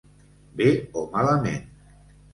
Bé o malament.